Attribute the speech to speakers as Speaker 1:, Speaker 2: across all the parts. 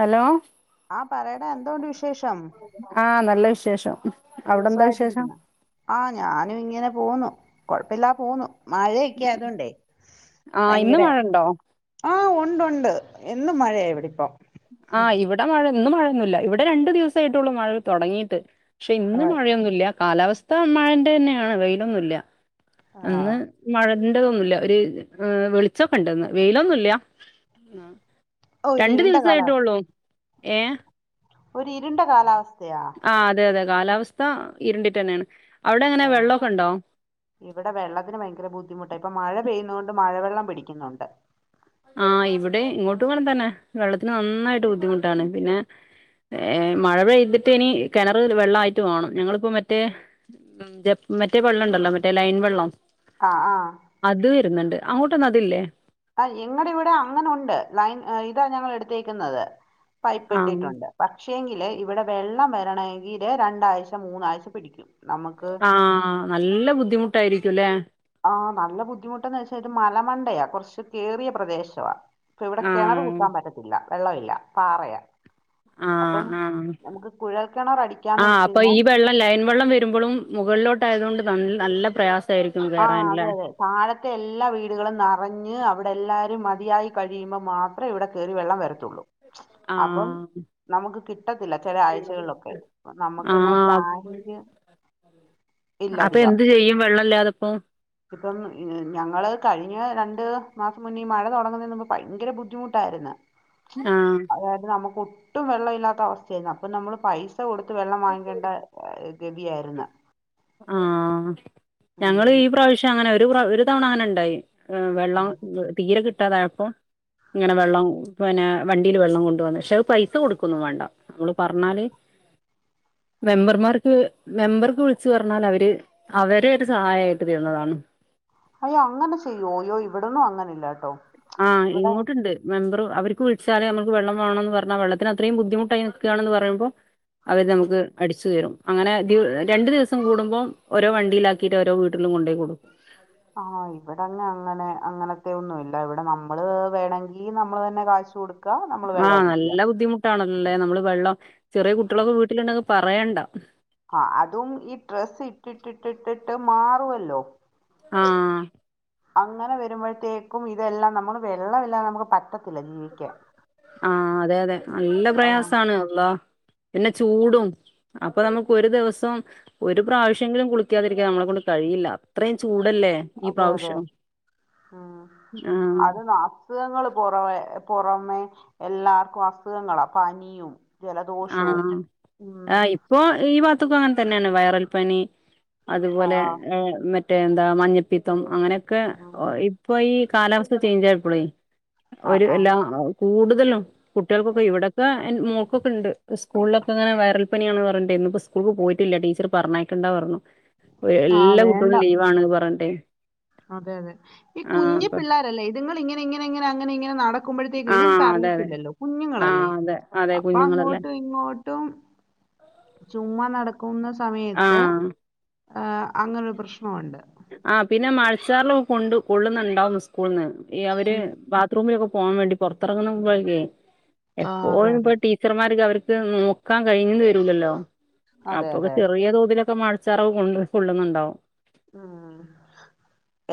Speaker 1: Hello
Speaker 2: ആ പറയടാ എന്തോണ്ട് വിശേഷം
Speaker 1: ആ നല്ല വിശേഷം അവിടെന്താ വിശേഷം
Speaker 2: സുഗായിട്ടിരിക്കുന്നോ. ആ ഞാനും ഇങ്ങനെ പോവുന്നു കൊഴപ്പില്ലാ പോവുന്നു മഴൊക്കെതാണ്ടേ
Speaker 1: ആഹ് ഇന്ന്
Speaker 2: ഭയങ്കര
Speaker 1: മഴണ്ടോ
Speaker 2: ആ ഒണ്ട് ഒണ്ട് എന്നും മഴയ ഇവിടിപ്പം
Speaker 1: ആ ഇവിടെ മഴ ഇന്ന് മഴൊന്നുല്ല ഇവിടെ രണ്ടു ദിവസ്സായിട്ടുള്ളൂ മഴ തൊടങ്ങീട്ട് പക്ഷെ
Speaker 2: ആ
Speaker 1: ഇന്ന് മഴയൊന്നുല്ല കാലാവസ്ഥ മഴന്റെന്നെയാണ് വെയിലൊന്നുല്ല
Speaker 2: ആ
Speaker 1: അന്ന് മഴന്റതൊന്നുല്ല ഒരു വെളിച്ചൊക്കെണ്ട്ന്ന് വെയിലൊന്നുല്ല ആ
Speaker 2: ഒരു
Speaker 1: രണ്ടു
Speaker 2: ഇരുണ്ട കാലാവസ്ഥ
Speaker 1: ദിവസായിട്ടൊള്ളൂ ഏ
Speaker 2: ഒരു ഇരുണ്ട കാലാവസ്ഥയാ
Speaker 1: ആ അതെ അതെ കാലാവസ്ഥ ഇരണ്ടിട്ട്ന്നെയാണ് അവിടെ എങ്ങനെ
Speaker 2: ആ.
Speaker 1: വെള്ളൊക്കെ ഉണ്ടോ
Speaker 2: ഇവിടെ വെള്ളത്തിന് ഭയങ്കര ബുദ്ധിമുട്ട ഇപ്പൊ മഴ പെയ്യുന്നൊണ്ട് മഴവെള്ളം പിടിക്കുന്നുണ്ട്
Speaker 1: ആ ഇവിടെ ഇങ്ങോട്ടും അങ്ങനെ തന്നെ വെള്ളത്തിന് നന്നായിട്ട് ബുദ്ധിമുട്ടാണ് പിന്നെ ഏ മഴ പെയ്തിട്ട് ഇനി കിണറ് വെള്ളായിട്ട് വേണം ഞങ്ങളിപ്പോ മറ്റേ മ റ്റേ വെള്ളണ്ടല്ലോ മറ്റേ ലൈൻ വെള്ളം
Speaker 2: അ ആ
Speaker 1: അത് വരുന്നുണ്ട് അങ്ങോട്ടൊന്നും അതില്ലേ
Speaker 2: അ ഞങ്ങളടെ ഇവിടെ അങ്ങനെ ഉണ്ട് ലൈൻ ഇതാ ഞങ്ങൾ എടുത്തേക്കുന്നത് പൈപ്പ്
Speaker 1: ആഹ്
Speaker 2: ഇട്ടിട്ടുണ്ട് പക്ഷേങ്കില് ഇവിടെ വെള്ളം വരണെങ്കില് രണ്ടാഴ്ച മൂന്നാഴ്ച പിടിക്കും നമുക്ക്
Speaker 1: ആ നല്ല ബുദ്ധിമുട്ടായിരിക്കുല്ലേ
Speaker 2: ആ നല്ല ബുദ്ധിമുട്ടെന്ന് വെച്ചാ ഇത് മലമണ്ടയാ കുറച്ചു കേറിയ പ്രദേശവാ പ്പൊ ഇവിടെ കിണറ്
Speaker 1: ആഹ്
Speaker 2: കുത്താൻ പറ്റത്തില്ല വെള്ളവില്ല പാറയാ
Speaker 1: ആ
Speaker 2: അപ്പം
Speaker 1: ആ
Speaker 2: നമുക്ക് കുഴൽ കിണർ
Speaker 1: അ
Speaker 2: അടിക്കാന്ന് വെച്ച്
Speaker 1: അപ്പൊ
Speaker 2: കഴിഞ്ഞാൽ
Speaker 1: ഈ വെള്ളം ലൈൻ വെള്ളം വരുമ്പളും മുകളിലോട്ടായതുകൊണ്ട് നല്ല് നല്ല പ്രയാസ
Speaker 2: ആ പോവ് താഴത്തെ എല്ലാ വീടുകളും നറഞ്ഞ് അവിടെ എല്ലാരും മതിയായി കഴിയുമ്പോ മാത് റേ ഇവിടെക്കേറി വെള്ളം വരത്തുള്ളൂ. അപ്പം
Speaker 1: ആഹ്
Speaker 2: നമുക്ക് കിട്ടത്തില്ല ചെല ആഴ്ചകളിലൊക്കെ നമ്മക്കന്നെ ടാങ്കില്.
Speaker 1: അപ്പം എന്ത് ചെയ്യും വെള്ളം ഇല്ലാതെപ്പോ.
Speaker 2: ഇപ്പം ഞങ്ങള് കഴിഞ്ഞ രണ്ട് മാസം മുന്നേ മഴ തുടങ്ങുന്നേനുമുംമ്പ് ഭയങ്കര ബുദ്ധിമുട്ടായിര്ന്ന്.
Speaker 1: ആഹ്
Speaker 2: അതായത് നമുക്ക് ഒട്ടും വെള്ളം ഇല്ലാത്ത അവസ്ഥയായി. അപ്പൊ നമ്മള് പൈസ കൊടുത്ത് വെള്ളം വാങ്ങികൊണ്ട ഗതിയായിരുന്നു.
Speaker 1: ആ ഞങ്ങള്
Speaker 2: ഉം.
Speaker 1: ഈ പ്രാവശ്യം അങ്ങനെ ഒരു ഒരു തവണ അങ്ങനെ ഉണ്ടായി. ഹ് വെള്ളം തീരെ കിട്ടാതായപ്പം. ഇങ്ങനെ വെള്ളം പിന്നെ വണ്ടില് വെള്ളം കൊണ്ട് വന്ന് പക്ഷെ പൈസ കൊടുക്കന്നും വേണ്ട. നമ്മള് പറഞ്ഞാല് മെമ്പർമാർക്ക് മെമ്പർക്ക് വിള ളിച്ച് പറഞ്ഞാൽ അവര് അവരെ ഒരു സഹായമായിട്ട് തരുന്നതാണ്.
Speaker 2: അയ്യോ അങ്ങനെ ചെയ്യോ അയ്യോ ഇവിടന്നും അങ്ങനെ ഇല്ലാട്ടോ?
Speaker 1: ആഹ ഇങ്ങോട്ട്ണ്ട്. മെമ്പറ് അവർക്ക് വിളിച്ചാലല് നമുക്ക് വെള്ള വേണംമോന് പറഞ്ഞാ വെള്ളത്തി അത്രിം ബുദ്ധിമുട്ടായി നൽക്കുകയാണെന്ന് പറയുപോ. അവര് നമുക്ക് അടിച്ചു തരും. അങ്ങനെ രണ്ടു ദിവസം കൂടുമ്പോം ഓരോ വണ്ടിയിലാക്കി. ആീയിട്ട് രോ വീടിലും കൊണ്ടോ കൊക്കും.
Speaker 2: ആഹ ഇവിടെങ്ങെ അങ്ങനെ അങ്ങനത്തെ ഒന്നുംല്ല. ഇവിടെ നമ്മള് വേണമെങ്കി നമ്മള് തന്നെ കാശു കൊടുക്ക
Speaker 1: ആഹ് നല്ല ബുദ്ധിമുട്ടാണല്ലല്ലേ നമ്മള് വെള്ളം ചെറിയ കുട്ടികളൊക്കെ വീട്ടിലുണ്ടെങ്കിൽ പറയണ്ട.
Speaker 2: ആഹ അതും ഈ ഡ്രസ്സ് ഇട്ടിട്ടിട്ടി ഇട്ടിട്ട് മാറുവല്ലോ?
Speaker 1: ആഹ്
Speaker 2: അങ്ങനെ വരുമ്പോഴത്തേക്കും. ഇതെല്ലാം നമ്മള് വെള്ളമില്ലാതെ നമുക്ക് പ ത്തില്ല.
Speaker 1: ആഹ അതെ അതെ നല്ല
Speaker 2: ആ,
Speaker 1: പ്രയാസമാണ് അള്ളാ പിന്നെ ചൂടും. അപ്പൊ നമുക്ക് ഒരു ദിവസം. ഒരു പ്രാവശ്യമെങ്കിലും കുളിക്കാതിരിക്കാ നമ്മളെ കൊണ്ട് കഴിയില്ല അത്രയും ചൂടല്ലേ. ഈ
Speaker 2: അതെ അതെ
Speaker 1: പ്രാവശ്യം
Speaker 2: ഉം
Speaker 1: ആഹ്
Speaker 2: അത് ന അസുഖങ്ങൾ പുറമെ പുറമെ എല്ലാർക്കും അസുഖങ്ങളാ പനിയും. ജലദോഷവും
Speaker 1: ആഹ്
Speaker 2: ഉം
Speaker 1: ആഹ് ഇപ്പൊ ഈ ഭാത്തും അങ്ങനെ തന്നെയാണ് വയറൽപ്പനി.
Speaker 2: ആ
Speaker 1: അതുപോലെ മ മറ്റേ എന്താ മഞ്ഞപ്പിത്തം അങ്ങനെയൊക്കെ
Speaker 2: ഉം.
Speaker 1: ഇപ്പൊ ഈ കാലാവസ്ഥ ചേഞ്ച് ആയപ്പോളേ.
Speaker 2: ആ
Speaker 1: ഒരു
Speaker 2: ആ
Speaker 1: എല്ലാ കൂടുതലും കുട്ടികൾക്കൊക്കെ ഇവിടെക്കെ മോള്ക്ക്കെ ഉണ്ട്. സ്കൂളിലൊക്കെങ്ങനെ വയറൽ പനിയാണ് പറഞ്ഞ്ടെ ഇന്പ്പം സ്കൂൾക്ക് പോയിട്ടില്ല ടീച്ചർ പറഞ്ഞക്കണ്ടാ പറഞ്ഞു.
Speaker 2: ആ
Speaker 1: എല്ലാ
Speaker 2: വേണ്ട
Speaker 1: കുട്ടികളും ലീവാണ് പറഞ്ഞട്ടെ.
Speaker 2: അതെ അതെ ഈ കുഞ്ഞു പിള്ളോരല്ലേ ഇത്ങ്ങ ഇങ്ങനെ ഇങ്ങനെ ഇങ്ങനെ അങ്ങനെ ഇങ്ങനെ നട ആക്കുമ്പോഴത്തേക്കും
Speaker 1: ആ
Speaker 2: ഇത്
Speaker 1: അതെ അതെ
Speaker 2: അറിയത്തില്ലല്ലോ
Speaker 1: ആ
Speaker 2: കുഞ്ഞുങ്ങളല്ലേ
Speaker 1: അതെ അതെ
Speaker 2: അപ്പൊ
Speaker 1: കുഞ്ഞുങ്ങളല്ലേ
Speaker 2: അങ്ങോട്ടും ഇങ്ങോട്ടും. ഏറ്റവും ചുമ് നടക്കുന്ന
Speaker 1: ആ
Speaker 2: സമയത്ത്. ആഹ അങ്ങനൊരു പ്രശ്നമുണ്ട്.
Speaker 1: ആ പിന്നെ മഴച്ചാറിലൊക്കെ കൊണ്ട കൊള്ളുന്നുണ്ടാവും സ്കൂളന്ന് ഈ അവര്
Speaker 2: ഉം.
Speaker 1: റൂമിലൊക്കെ പോവാൻ വേണ്ടി പുറത്തിറങ്ങുപംലൊ
Speaker 2: ആ അതെ
Speaker 1: എപ്പോഴും
Speaker 2: അതെ
Speaker 1: ഇ ടീച്ചർമാർക് അവർക്ക് നോക്കാൻ കഴിഞ്ഞ് വരൂല്ലല്ലോ.
Speaker 2: അതെ
Speaker 1: അപ്പൊക്കെ
Speaker 2: അതെ
Speaker 1: ചെറിയ തോതിലൊക്കെ മാഴ മഴചറവ് കൊണ്ട് കൊള്ളുന്നുണ്ടാവും.
Speaker 2: ഉം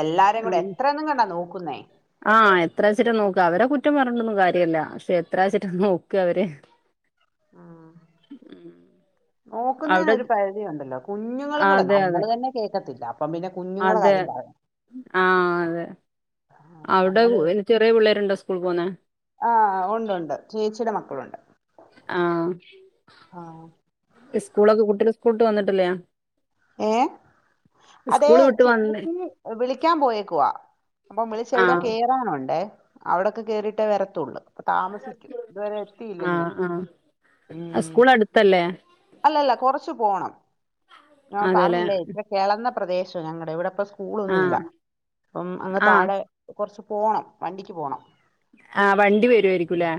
Speaker 2: എല്ലാരും കൂടെ
Speaker 1: ആ
Speaker 2: എത്രയന്നും കണ്ടാ നോക്കുന്നേ.
Speaker 1: ആഹ് എത്രച്ചിട്ടാ നോക്ക അവരെ കുറ്റം പറഞ്ഞണ്ടൊന്നും കാര്യല്ല പക്ഷെ എത്ര ച്ചിട്ടാ നോക്ക അവര്
Speaker 2: ആഹ് നോക്കുന്നതിന്
Speaker 1: അവിടെ
Speaker 2: ഒരു പരിധിയുണ്ടല്ലോ കുഞ്ഞുങ്ങളും കൂടെ
Speaker 1: അതെ അതെ
Speaker 2: നമ്മള് തന്നെ കേൾക്കത്തില്ല അപ്പ പിന്നെ കുഞ്ഞുങ്ങടെ
Speaker 1: അതെ
Speaker 2: കാര്യം പറയാം
Speaker 1: ആഹ് അതെ അവിടെ എനി ചെറിയ പിള്ളേരുണ്ടോ സ്കൂളിൽ പോകുന്നേ
Speaker 2: ആ ഉണ്ട് ഉണ്ട് ചേച്ചിയുടെ മക്കളുണ്ട്
Speaker 1: ആഹ്
Speaker 2: ആ
Speaker 1: സ്കൂളൊക്കെ കുട്ടികള് സ്കൂട്ട് വന്നിട്ടില്ലാ
Speaker 2: ഏ അതെ
Speaker 1: സ്കൂള് വിട്ട്
Speaker 2: ചിന്നു
Speaker 1: വന്ന്
Speaker 2: വിളിക്കാൻ പോയേക്കുവാ അപ്പൊ വിളിച്ച് എവിടോ
Speaker 1: ആഹ്
Speaker 2: കേറാനുണ്ടേ അവിടൊക്കെ കേയറിയിട്ടേ വരത്തുള്ളൂ അപ്പൊ താമസിക്കും ഇതുവരെ എത്തിയില്ലങ്ക
Speaker 1: ആഹ് ആഹ് ആഹ്
Speaker 2: ഉം
Speaker 1: സ്കൂൾ അടുത്തല്ലേ
Speaker 2: അല്ലല്ല കൊറച്ച് പോണം ഞങ്ങൾ
Speaker 1: അതെല്ലേ
Speaker 2: പറഞ്ഞില്ലേ ഇത്ര കെളന്ന പ്രദേശവ ഞങ്ങടെ ഇവിടെ ഇപ്പ സ്കൂളൊന്നുല്ല
Speaker 1: ആഹ്
Speaker 2: അപ്പം അങ്ങ്
Speaker 1: ആഹ്
Speaker 2: താഴെ കൊറച്ച് പോണം വണ്ടിക്ക് പോണം.
Speaker 1: ആ വണ്ടി വരുവായിരിക്കുംല്ലേ.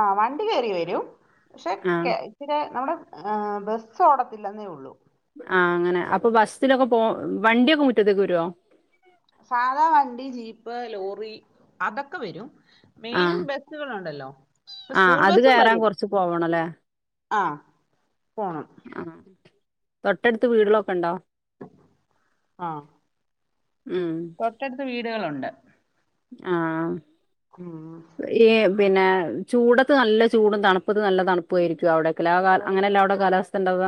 Speaker 2: ആ വണ്ടി കേറി വരും പക്ഷെ
Speaker 1: ആഹ്
Speaker 2: കേ പിന്നെ നമ്മുടെ ബസ് ഓടത്തില്ലെന്നേ ഉള്ളൂ.
Speaker 1: ആ അങ്ങനെ അപ്പൊ ബസ്സിലൊക്കെ പോ വണ്ടിയൊക്കെ മുറ്റത്തേക്ക് വരുവോ.
Speaker 2: സാധാ വണ്ടി ജീപ്പ് ലോറി അതൊക്കെ വരും. മെയിൻ
Speaker 1: ആഹ്
Speaker 2: ബസുകളുണ്ടല്ലോ ഇപ്പ
Speaker 1: ആഹ്
Speaker 2: സ്കൂൾ
Speaker 1: അത്
Speaker 2: ബസും
Speaker 1: കയറാൻ
Speaker 2: വരും.
Speaker 1: കൊറച്ച് പോവണല്ലേ
Speaker 2: ആ പോണം
Speaker 1: ആ തൊട്ടടുത്ത് വീടേളൊക്കെ ഉണ്ടോ.
Speaker 2: ആഹ്.
Speaker 1: ഉം
Speaker 2: തൊട്ടടുത് വീടുകളുണ്ട്.
Speaker 1: ആഹ്.
Speaker 2: ഉം
Speaker 1: ഏ പിന്നെ ചൂടത്ത് നല്ല ചൂടും, തണുപ്പത് നല്ല തണുപ്പായിരിക്കും അവിടെയൊക്കെ ആ അങ്ങനെല്ല അവിടെ കാലാവസ്ഥ. ഇണ്ടാവുക.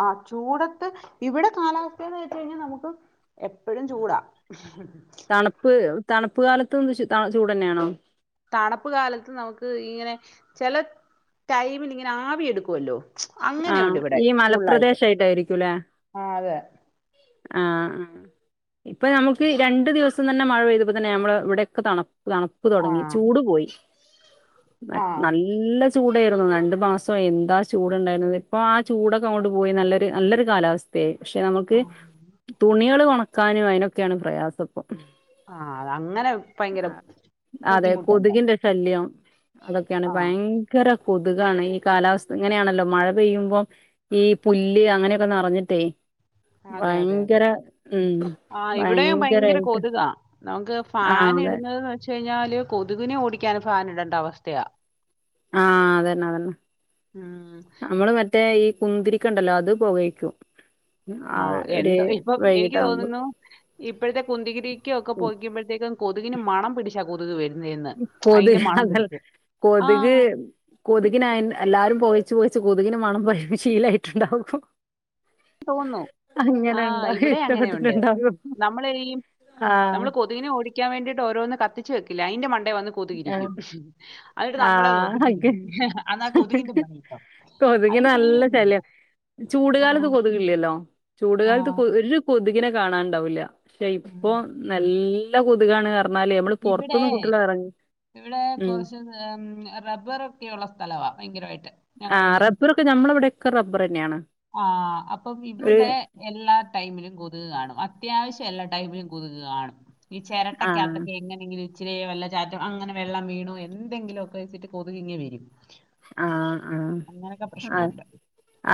Speaker 2: ആഹ് ചൂടത്ത് ഇവിടെ കാലാവസ്ഥന്ന് വെച് കഴിഞ്ഞാൽ നമുക്ക്. എപ്പഴും ചൂടാ.
Speaker 1: തണുപ്പ് തണുപ്പ് കാലത്തും ചൂട് തന്നെയാണോ.
Speaker 2: തണുപ്പ് കാലത്ത് നമുക്ക് ഇങ്ങനെ ചെല ടൈമിൽങ്ങനെ ആവി എടുക്കുവല്ലോ.
Speaker 1: ആ
Speaker 2: അങ്ങനെയുണ്ട് ഇവിടെ
Speaker 1: ഈ
Speaker 2: ഫുള്ളായിട്ട്
Speaker 1: മലപ്രദേശമായിട്ടായിരിക്കുംല്ലേ
Speaker 2: ആ അതെ.
Speaker 1: ആഹ് ഹ് ഇപ്പൊ നമുക്ക് രണ്ടു ദിവസം തന്നെ മഴ പെയ്തപ്പോ തന്നെ ഞമ്മൾ ഇവിടെയൊക്കെ തണു തണു. പ്പ്
Speaker 2: ആ
Speaker 1: തുടങ്ങി ചൂട് പോയി.
Speaker 2: ആ
Speaker 1: നല്ല ചൂടായിരുന്നു രണ്ടു മാസം എന്താ ചൂട്. വിടെണ്ടനു ഇപ്പോ ആ ചൂടൊക്കെ അങ്ങോട്ടു പോയി നല്ലൊരു നല്ലൊരു കാലാവസ്ഥ. ദേ പക്ഷെ നമ്മുക്ക്
Speaker 2: ആ
Speaker 1: തുണികള് ഒണക്കാനും അതിനൊക്കെയാണ് പ്രയാസ ഇപ്പൊ.
Speaker 2: ആഹ് അതങ്ങനെ ഭയങ്കര
Speaker 1: അതെ
Speaker 2: ബുദ്ധിമുട്ടുണ്ട്.
Speaker 1: കൊതുകിന്റെ ശല്യം അതൊക്കെയാണ്
Speaker 2: ആ
Speaker 1: ഭയങ്കര കൊതുകാണ് ഈ കാലാവസ്ഥ ഇങ്ങനെയാണല്ലോ. മഴ പെയ്യുമ്പം ഈ പുല്ല് അങ്ങനെയൊക്കെ നിറഞ്ഞിട്ടേ. ഭയങ്കര ഉം.
Speaker 2: ആഹ് ഇവിടെയും ഭയങ്കര
Speaker 1: ഭയങ്കരായിട്ട്
Speaker 2: കൊതുകാ നമുക്ക്
Speaker 1: ആ
Speaker 2: ഫാന്
Speaker 1: അതെ
Speaker 2: ഇടുന്നത്. ച്ച് കഴിഞ്ഞാല് കൊതുകിനെ ഓടിക്കാൻ ഫാൻ ഇടണ്ട അവസ്ഥയാ.
Speaker 1: ആഹ് അതന്നെ അതന്നെ
Speaker 2: ഉം
Speaker 1: നമ്മള് മറ്റ. റ്റേ ഈ കുന്തിരിക്കണ്ടല്ലോ അത് പൊകയിക്കും ആ ഒരു വൈകിട്ടാകുമ്പോ.
Speaker 2: ഇപ്പഴത്തെ കുന്തിരിക്ക ഒക്കെ പോകക്കുമ്പോഴത്തേക്കും കൊതുകിന് മണം പിടിച്. കൊതുക് വരുന്നെന്ന് അയിന്റെ
Speaker 1: കൊതുക്
Speaker 2: മണം പിടിച്ചു ആഹ്
Speaker 1: കൊതുകിന എല്ലാരും പോകച്ച് പോകച്ച് കൊതുകിന് മണം പ്പ ശീലായിട്ടുണ്ടാവും.
Speaker 2: തോന്നുന്നു ആ
Speaker 1: അങ്ങനെണ്ടാവ
Speaker 2: ഇവിടെ അങ്ങനെയുണ്ട്.
Speaker 1: ഇഷ്ടപ്പെട്ടിട്ടുണ്ടാവും
Speaker 2: നമ്മള് ഈ
Speaker 1: ആഹ്.
Speaker 2: നമ്മള് കൊതുകിനെ ഓടിക്കാൻ വേണ്ടിട്ട് ഓരോന്ന് കത്തിച്ച് വെക്കില്ലേ. അതിന്റെ മണ്ടെ വന്ന്.
Speaker 1: ആ
Speaker 2: കൊതുകിരിക്കും. അതന്ന്ട്ട്
Speaker 1: ആ
Speaker 2: നമ്മളെ നോക്കിച്ചിരിക്കും എന്നാ കൊതുകിന്റെ മണ.
Speaker 1: കൊതുകിനെ നല്ല ശല്യം
Speaker 2: ആ,
Speaker 1: ചൂടുകാലത്ത് കൊതുകില്ലല്ലോ.
Speaker 2: ആ,
Speaker 1: ചൂടുകാലത്ത് കൊ ഒരു കൊതുകിനെ കാണാണ്ടാവില്ല പക്ഷെ
Speaker 2: ആ.
Speaker 1: ഇപ്പൊ നല്ല കൊതുകാണ്. പർഞ്ഞാല് നമ്മള്
Speaker 2: ഇവിടെ
Speaker 1: പുറത്തൊന്നും കുട്ടികള ഇറങ്ങി.
Speaker 2: ഇവിടെ
Speaker 1: ഉം
Speaker 2: കൊറച്ച് റബ്ബർ ഒക്കെയുള്ള സ്ഥലവാ ഭയങ്കരമായിട്ട്. ഞങ്ങളുടെ
Speaker 1: ആഹ്
Speaker 2: വീടിന്റെ
Speaker 1: റബ്ബറൊക്കെ നമ്മളവിടെക്കെ റബ്ബർ തന്നെയാണ്.
Speaker 2: ആഹ് അപ്പം
Speaker 1: ഒരു
Speaker 2: ഇവിടെ എല്ലാ. ടൈമിലും കൊതുക് കാണും. അത്യാവശ്യം എല്ലാ ടൈമിലും കൊതുക് കാണും. ഈ
Speaker 1: ആ
Speaker 2: ചെരട്ടക്കകത്തൊക്ക എങ്ങനെങ്കിലും. ഇച്ചിലെ വെള്ളച്ചാറ്റം അങ്ങനെ വെള്ളം വീണോ എന്തെങ്കിലും ഒക്കെ വെച്ചിട്ട് കൊതുകിങ്ങി വരും.
Speaker 1: ആഹ് ആഹ്
Speaker 2: അങ്ങനൊക്കെ
Speaker 1: അ
Speaker 2: പ്രശ്നമുണ്ട്.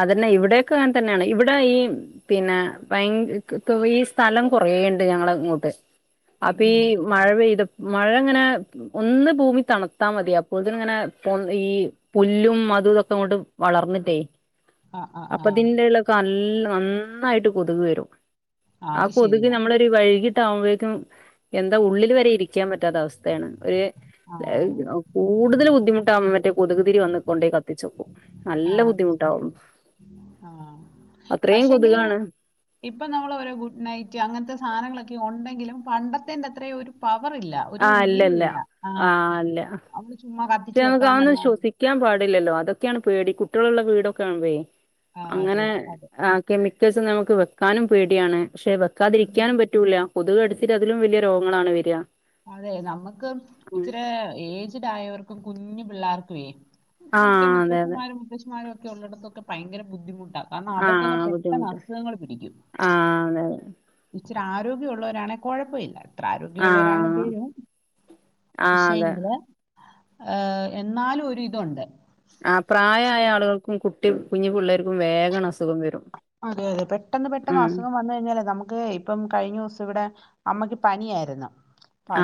Speaker 1: അതന്നെ ഇവിടൊക്കെ ഇങ്ങനെ തന്നെയാണ് ഇവിടെ ഈ പിന്നെ ഭയ ഈ സ്ഥലം കുറേണ്ട് ഞങ്ങള ഇങ്ങോട്ട്
Speaker 2: ഉം
Speaker 1: അപ്പ ഈ
Speaker 2: ഉം.
Speaker 1: മഴ പെയ്ത മഴങ്ങനെ ഒന്ന് ഭൂമി തണത്താ മതി അപ്പോഴത്തിനിങ്ങനെ പൊന്തീ പുല്ലും അതും ഇതൊക്കെ അങ്ങോട്ട് വളർന്നിട്ടേ
Speaker 2: ആഹ് ആഹ്
Speaker 1: അപ്പൊ
Speaker 2: ആഹ്.
Speaker 1: തിന്റെള്ള നല്ല ഒന്നായിട്ട് കൊതുക് വരും ആ
Speaker 2: അത്
Speaker 1: കൊതുക്
Speaker 2: ശരിയാ.
Speaker 1: നമ്മള് വൈകിട്ടാവുമ്പോഴേക്കും എന്താ ഉള്ളില് വരെ ഇരിക്കാൻ പറ്റാത്തവസ്ഥയാണ് ഒരു
Speaker 2: ആഹ്.
Speaker 1: അത് കൂടുതൽ ബുദ്ധിമുട്ട് ആമ്പോമറ്റേ കൊതുക് തിരി വന്ന് കൊണ്ടേ കത്തിച്ചെക്കും നല്ല
Speaker 2: ആഹ്
Speaker 1: ബുദ്ധിമുട്ടാവും.
Speaker 2: ആഹ്.
Speaker 1: അത്രേം
Speaker 2: പക്ഷേങ്കില്
Speaker 1: കൊതുകാണ്
Speaker 2: ഇപ്പം നമ്മളോരോ ഗുഡ് നൈറ്റ് അങ്ങനത്തെ സാനങ്ങളൊക്കെ ഉണ്ടെങ്കിലും പണ്ടത്തിന്റെ അത്രയും ഒരു പവറില്ല ഒരു
Speaker 1: ആ് ഇല്ലല്ല ആ ഇല്ല
Speaker 2: അവള് ചുമ്മാ കാ
Speaker 1: [unintelligible] ക്കാൻ പാടില്ലല്ലോ അതൊക്കെയാണ് പേടി കുട്ടികളുള്ള വീടൊക്കെയാവുമ്പേയ്
Speaker 2: ആഹ് അത്
Speaker 1: അങ്ങനെ
Speaker 2: അതെ.
Speaker 1: ആ കെമിക്കൽസ് നമുക്ക് വെക്കാനും പേടിയാണ് പക്ഷെ
Speaker 2: ഉം.
Speaker 1: വെക്കാതിരിക്കാനും പറ്റൂല്ല കൊതുക് കടിച്ചിട്ടതിലും വല്യ രോഗങ്ങളാണ് വരിക
Speaker 2: അതെ നമ്മുക്ക്
Speaker 1: ഉം
Speaker 2: ഇച്ചിരെ ഏജഡ് ആയവർക്കും കുഞ്ഞു പിള്ളാർക്കുവേ
Speaker 1: ആഹ് അതെ അതെ
Speaker 2: പുഷമാരും ഒക്കെ ഉള്ളിടത്തൊക്കെ ഭയങ്കര ബുദ്ധിമുട്ടാ. കാരണം
Speaker 1: ആ
Speaker 2: അവർക്കൊക്കെ പെട്ടെന്ന്
Speaker 1: ബുദ്ധിമുട്ട്
Speaker 2: അസുഖങ്ങൾ പിടിക്കും
Speaker 1: ആ അതെ അതെ
Speaker 2: ഇച്ചിരി ആരോഗ്യമുള്ളവരാണെ കുഴപ്പമില്ല
Speaker 1: ആ
Speaker 2: പ്രാരോഗ്യമുള്ളരാണ പേരും
Speaker 1: ആ അതെ
Speaker 2: പക്ഷേങ്കില് ഏഹ് എന്നാലു ഒരു ഇതുണ്ട്
Speaker 1: ആഹ്
Speaker 2: പക്ഷെ
Speaker 1: പ്രായായ ആളുകൾക്കും കുട്ടി കുഞ്ഞു പിള്ളേർക്കും വേഗം അസുഖം വരും
Speaker 2: അതെ അതെ പെട്ടെന്ന് പെട്ടെന്ന്
Speaker 1: ഉം
Speaker 2: അസുഖം വന്നു കഴിഞ്ഞാലേ നമുക്ക് ഇപ്പം കഴിഞ്ഞ ദിവസം ഇവിടെ അമ്മയ്ക്ക് പനിയായിരുന്നു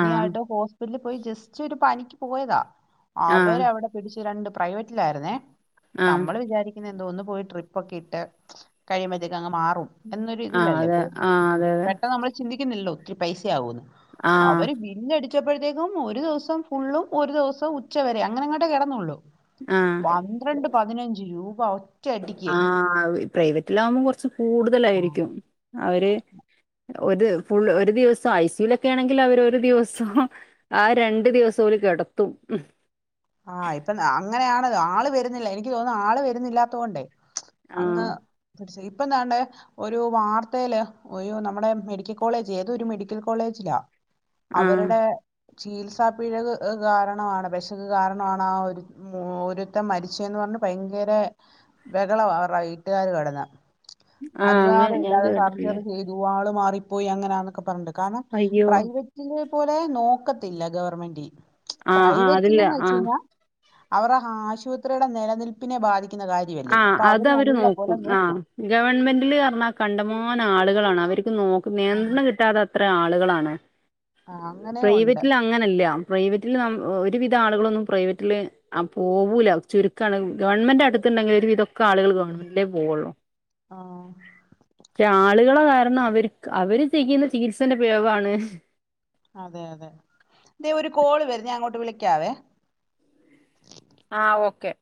Speaker 1: ആ
Speaker 2: ഹോസ് - ല് പോയി ജസ്റ്റ് ഒരു പനിക്ക് പോയതാ
Speaker 1: ആ
Speaker 2: അവരവിടെ പിടിച്ചുരണ്ട് പ്രൈവറ്റിലായിരുന്നേ പ്പ
Speaker 1: ആ
Speaker 2: നമ്മള് വിചാരിക്കുന്ന എന്താ ഒന്ന് പോയി ട്രിപ്പൊക്കെ ഇട്ട് കഴിയുമ്പോത്തേക്കങ്ങ് മാറും എന്നൊരു
Speaker 1: ആ
Speaker 2: തിയിലല്ലേ
Speaker 1: അതെ
Speaker 2: പോ.
Speaker 1: ആ അതെ
Speaker 2: പെട്ടന്നമ്മൾ ചിന്തിക്കുന്നില്ലോ ഒത്തിരി പൈസ ആവുന്ന്
Speaker 1: ആ
Speaker 2: അവര് ഞ്ഞി അടിച്ചപ്പോഴത്തേക്കും ഒരു ദിവസം ഫുള്ളും ഒരു ദിവസം ഉച്ചവരെ അങ്ങനെ അങ്ങോട്ടേ കിടന്നള്ളു
Speaker 1: ആ
Speaker 2: പന്ത്രണ്ട് പതിനഞ്ച് രൂപ ആവും
Speaker 1: ആഹ് പ്രൈവറ്റിലാകുമ്പോം കുറച്ച് കൂടുതലായിരിക്കും അവര് ഒരു ഫുൾ ഒരു ദിവസം ഐ സിയുൽ ഒക്കെ ആണെങ്കിൽ അവര് ഒരു ദിവസം ആ രണ്ട് ദിവസല് ഓല് കിടത്തും
Speaker 2: ആഹ് ഇപ്പൊ അങ്ങനെയാണല്ലോ ആള് വരുന്നില്ല ഇനിക്ക് തോന്നുന്നു ആള് വരുന്നില്ലാത്തത് കൊണ്ടേ
Speaker 1: ആ
Speaker 2: അങ്ങ് സുയി പ്പൊന്താണ്ട് ഒരു വാർത്തയില് ഒരു നമ്മുടെ മെഡിക്കൽ കോളേജ് ഏത ഒരു മെഡിക്കൽ കോളേജിലാ
Speaker 1: ആ
Speaker 2: അവരുടെ ചികിത്സാ പിഴക് കാരണമാണ് പക്ഷെ കാരണമാണ് ആ ഒരു ഒരുത്തൻ മരിച്ചന്ന് പറഞ്ഞ് ഭയങ്കര ബഹളവാ അവരുടെ വീട്ടുകാർ കെടന്ന്
Speaker 1: ആ അങ്ങനെ ഞാൻ
Speaker 2: അനുവാദമില്ലാതെ
Speaker 1: കേട്ടിട്ടില്ല
Speaker 2: സർജറി ചെയ്ത് ദോ ആള് മാറിപ്പോയി അങ്ങനാന്നൊക്കെ പറഞ്ഞിട്ട് കാരണം
Speaker 1: അയ്യോ
Speaker 2: പ്രൈവറ്റ് പിന്നെ പോലെ നോക്കത്തില്ല ഗവൺമെന്റിൽ
Speaker 1: ആഹ് ആഹ് അത്ല്ല ആഹ്
Speaker 2: അവരെ ആശുപത്രിയുടെ നിലനിൽപ്പിനെ ബാധിക്കുന്ന കാര്യ ല്ലേ അപ്പൊ അവര് നല്ല പോലെ നോക്കും
Speaker 1: ഗവൺമെന്റിില് പറഞ്ഞാൽ കണ്ടമാന ആളുകളാണ് അവർക്ക് നോ നിയന്ത്രണം കിട്ടാത ത്ര ആളുകളാണ്
Speaker 2: ആ അങ്ങനെ ഉണ്ട്
Speaker 1: പ്രൈവറ്റ്ല് അങ്ങനെയല്ല പ്രൈവറ്റില് ഒരുവിധ ആളുകളൊന്നും പ്രൈവറ്റില് ആഹ് പോവൂല ചുരുക്കമാണ് ഗവൺമെന്റ് അടുത്ത് ണ്ടെങ്കിൽ ഒരുവിതൊക്കെ ആളുകള് ഗവൺമെന്റിലേ പോവുള്ളൂ
Speaker 2: ആ
Speaker 1: പക്ഷെ ആള് ള കാരണം അവർ അവര് ചെയ്യുന്ന ചികിത്സന്റെ പ്രയോഗാണ്
Speaker 2: അതെ അതെ ദേ ഒര് കോള് വര്ന്നെ അങ്ങോട്ട് വിളിക്കാവെ
Speaker 1: ആഹ് ഓക്കെ